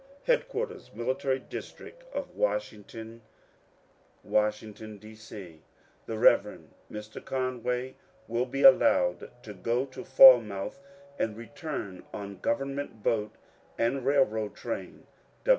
Headquabtbbs MnjTABT District of Washinoton , Washington, D. C. The Rev'd Mr. Conway will be allowed to go to Falmouth and return on Government Boat and R. B. train.